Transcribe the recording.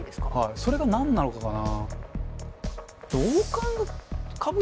それが何なのかがな。